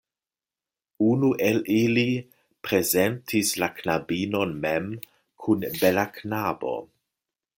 Unu el ili prezentis la knabinon mem kun bela knabo.